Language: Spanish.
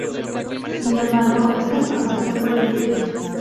Sin embargo esta información puede diferir.